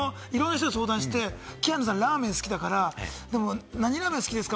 きょう、いろんな人に相談して、キアヌさん、ラーメン好きだから何ラーメン好きですか？